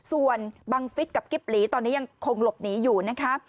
ส่วนบังฟิศกับกิ๊บหลีตอนนี้ยังคงหลบหนีอยู่นะคะ